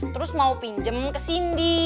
terus mau pinjem ke cindy